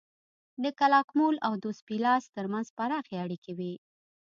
د کلاکمول او دوس پیلاس ترمنځ پراخې اړیکې وې